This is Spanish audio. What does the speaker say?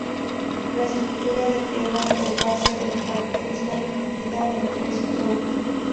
La estructura de tierra herbácea del parque está dividida en tres zonas.